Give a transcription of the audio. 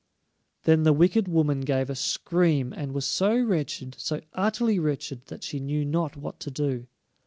Then the wicked woman gave a scream, and was so wretched, so utterly wretched, that she knew not what to do.